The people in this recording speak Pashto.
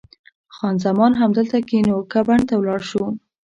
خان زمان: همدلته کښېنو که بڼ ته ولاړ شو؟